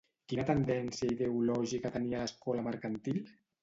Quina tendència ideològica tenia l'Escola Mercantil?